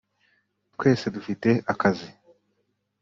twese dufite akazi